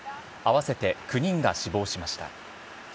合わせて９人が死亡しました。